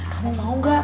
kamu mau gak